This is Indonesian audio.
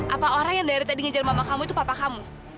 apa orang yang dari tadi ngejar mama kamu itu papa kamu